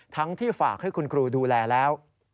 ที่ฝากให้คุณครูดูแลแล้ว